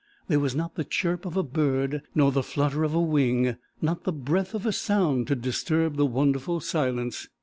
There was not the chirp of a bird nor the flutter of a wing not the breath of a sound to disturb the wonderful silence.